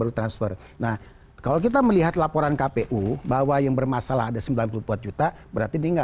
ini tidak ada salah apa tidak